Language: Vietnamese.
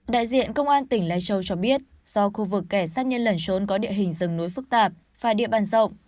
đại diện công an tỉnh lai châu cho biết do khu vực kẻ sát nhân lẩn trốn có địa hình rừng núi phức tạp và địa bàn rộng